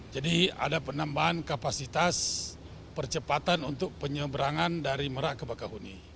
jadi ada penambahan kapasitas percepatan untuk penyeberangan dari merak ke bakahoni